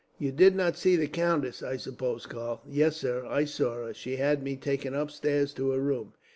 "You did not see the countess, I suppose, Karl?" "Yes, sir, I saw her. She had me taken upstairs to her room.